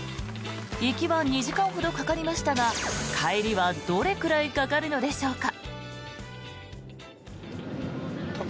行きは２時間ほどかかりましたが帰りはどれくらいかかるのでしょうか。